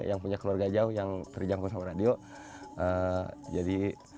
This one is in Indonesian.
kamu yang punya keluarga jauh yang terjangkau radio jadi